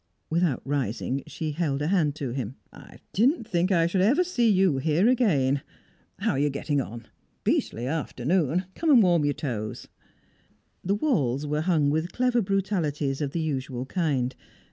Without rising, she held a hand to him. "I didn't think I should ever see you here again. How are you getting on? Beastly afternoon come and warm your toes." The walls were hung with clever brutalities of the usual kind.